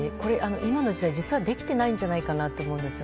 今の時代、できていないんじゃないかなと思うんです。